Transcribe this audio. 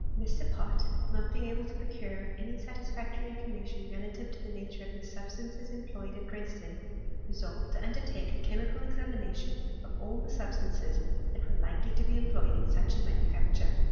Mr. Pott, not being able to procure any satisfactory information re lative to the nature of the substances employed at Dresden, resolved to undertake a chemical examina tion of all the substances that were likely to be em ployed in such a manufactui^.